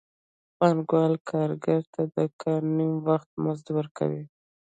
پانګوال کارګر ته د کار نیم وخت مزد ورکوي